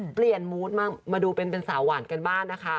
เปลี่ยนมูธมาดูเป็นสาวหวานกันบ้างนะคะ